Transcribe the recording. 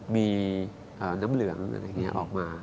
มีน้ำเหลืองอะไรอย่างนี้ออกมา